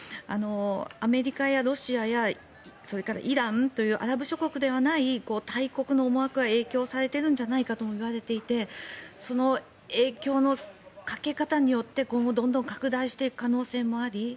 アメリカやロシアやそれからイランというアラブ諸国ではない大国の思惑が影響されているんじゃないかともいわれていてその影響のかけ方によって今後どんどん拡大していく可能性もあり。